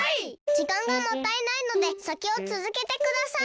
じかんがもったいないのでさきをつづけてください。